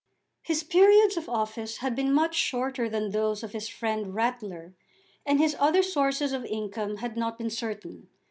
His periods of office had been much shorter than those of his friend Rattler, and his other sources of income had not been certain.